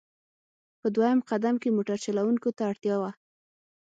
په دویم قدم کې موټر چلوونکو ته اړتیا وه.